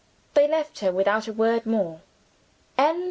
They left her, without a word more. CHAPTER X.